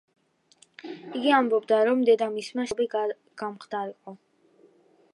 იგი ამბობდა, რომ დედამისმა შთააგონა მას მსახიობი გამხდარიყო.